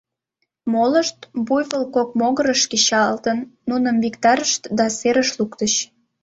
Молышт, буйвол кок могырыш кечалтын, нуным виктарышт да серыш луктыч.